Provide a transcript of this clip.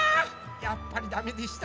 やっぱりだめでした。